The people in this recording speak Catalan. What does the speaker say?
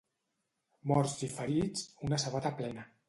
Morts i ferits, una sabata plena.